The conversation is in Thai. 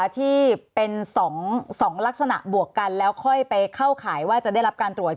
ที่เป็น๒ลักษณะบวกกันแล้วค่อยไปเข้าข่ายว่าจะได้รับการตรวจ